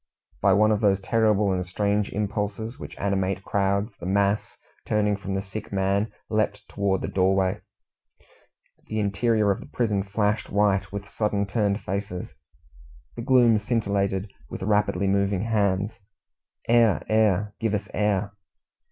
By one of those terrible and strange impulses which animate crowds, the mass, turning from the sick man, leapt towards the doorway. The interior of the prison flashed white with suddenly turned faces. The gloom scintillated with rapidly moving hands. "Air! air! Give us air!"